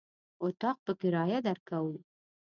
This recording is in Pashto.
اطاق په کرايه درکوو.